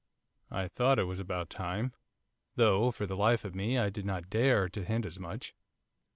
I thought it was about time, though for the life of me, I did not dare to hint as much.